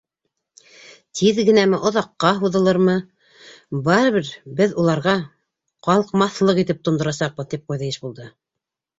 — Тиҙ генәме, оҙаҡҡа һуҙылырмы, барыбер беҙ уларға ҡалҡмаҫлыҡ итеп тондорасаҡбыҙ, — тип ҡуйҙы Ишбулды.